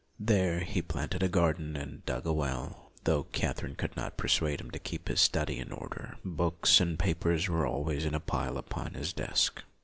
There he planted a garden, and dug a well; though Katherine could not persuade him to keep his study in order; books and papers were always in a pile upon his desk.